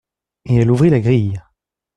Et elle ouvrit la grille.